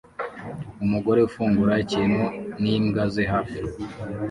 Umugore ufungura ikintu n'imbwa ze hafi